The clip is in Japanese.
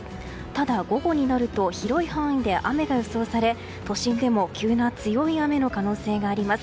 ただ、午後になると広い範囲で雨が予想され都心でも急な強い雨の可能性があります。